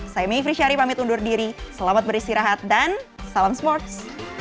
saya mie frisari pamit undur diri selamat beristirahat dan salam sports